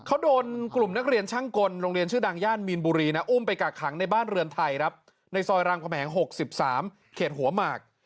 อันนี้คือบังคับให้จูบปาก